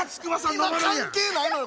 今関係ないのよ